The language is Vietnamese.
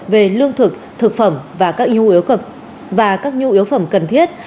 về lương thực thực phẩm và các nông nghiệp